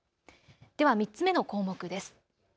では３つ目の項目です。